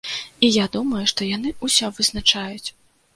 І я думаю, што яны ўсё вызначаюць.